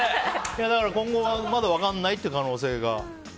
今後、まだ分からないという可能性が。